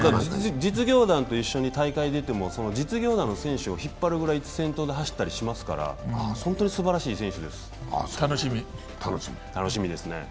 実業団と一緒に大会に出てても実業団の選手を引っ張るぐらい先頭で走ったりしますから本当にすばらしい選手です、楽しみですね。